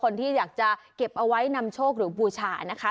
คนที่อยากจะเก็บเอาไว้นำโชคหรือบูชานะคะ